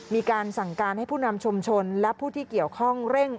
มีการสั่งการให้ผู้นำชุมชนและผู้ที่เกี่ยวข้องเร่ง